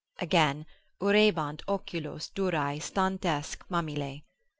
—Again Urebant oculos durae stantesque mamillae.